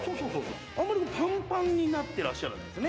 あんまりぱんぱんになってらっしゃらないですね。